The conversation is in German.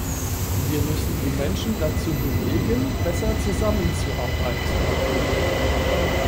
Wir müssen die Menschen dazu bewegen, besser zusammenzuarbeiten.